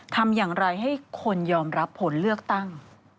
ทำอย่างไรให้คนยอมรับผลเลือกตั้ง